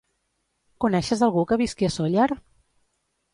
Coneixes algú que visqui a Sóller?